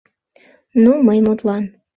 — Ну, мый, мутлан!